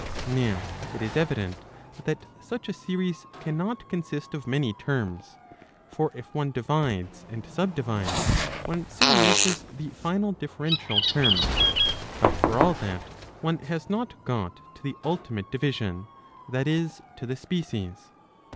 Now it is evident that such a series cannot consist of many terms. For if one divides and subdivides, one soon reaches the final differential term ; but for all that, one* has not got to the ultimate division, that is, to the species.)